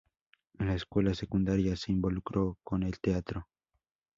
En la escuela secundaria se involucró con el teatro.